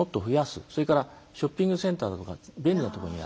それからショッピングセンターだとか便利なところにやる。